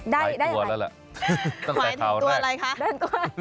ได้ค่ะต้องไปเท้าได้ต้องไปเท้าได้ต้องไปถึงตัวอะไรคะ